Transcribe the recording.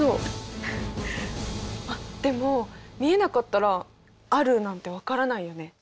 あっでも見えなかったらあるなんて分からないよね？